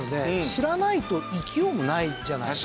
知らないと行きようもないじゃないですか。